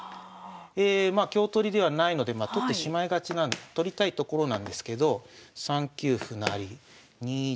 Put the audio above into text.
まあ香取りではないので取ってしまいがち取りたいところなんですけど３九歩成２一